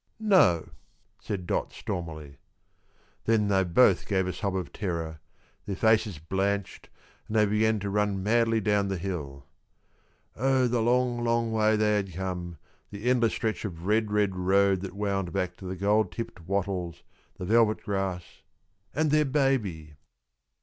"No," said Dot, stormily. Then they both gave a sob of terror, their faces blanched, and they began to run madly down the hill. Oh the long, long way they had come, the endless stretch of red, red road that wound back to the gold tipped wattles, the velvet grass, and their baby!